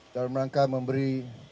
dalam rangka memberi